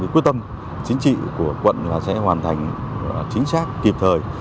quyết tâm chính trị của quận sẽ hoàn thành chính xác kịp thời